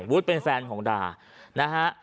วุฒิเป็นแฟนของดานะฮะ